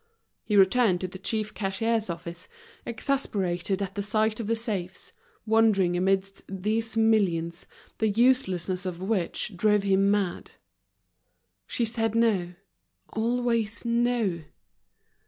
He returned to the chief cashier's office, exasperated at the sight of the safes, wandering amidst these millions, the uselessness of which drove him mad. She said no, always no.